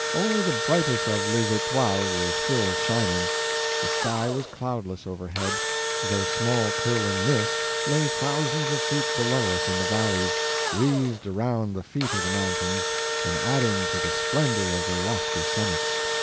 Only the brightest of LES E'TOILES were still shining; the sky was cloudless overhead, though small curling mists lay thousands of feet below us in the valleys, wreathed around the feet of the mountains, and adding to the splendor of their lofty summits.